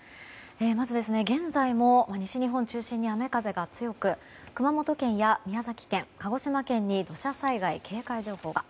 まず現在も西日本中心に雨風が強く熊本県や宮崎県、鹿児島県に土砂災害警戒情報が。